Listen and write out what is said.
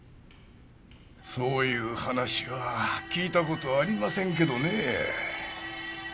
そういう話は聞いた事ありませんけどねえ。